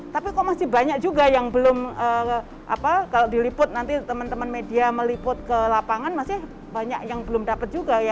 tapi kok masih banyak juga yang belum apa kalau diliput nanti teman teman media meliput ke lapangan masih banyak yang belum dapat juga ya